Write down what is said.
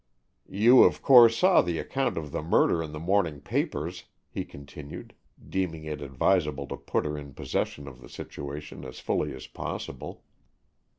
"You of course saw the account of the murder in the morning papers," he continued, deeming it advisable to put her in possession of the situation as fully as possible.